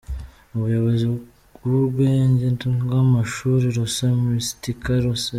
Umuyobozi w’urwunge rw’amashuri Rosa Mystica, Sr.